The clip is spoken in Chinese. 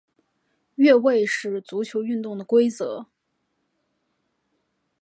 越位是足球运动的规则。